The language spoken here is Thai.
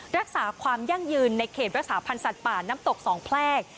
รักษาความยั่งยืนในเขตรักษาพันธ์สัตว์ป่าน้ำตกสองแพรก